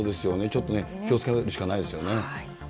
ちょっとね、気をつけるしかないですよね。